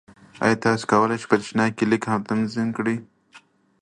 ایا تاسو کولی شئ په تشناب کې لیک هم تنظیم کړئ؟